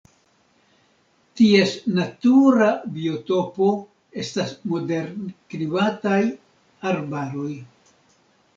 Ties natura biotopo estas moderklimataj arbaroj.